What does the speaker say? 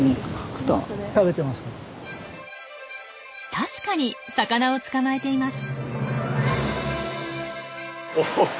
確かに魚を捕まえています。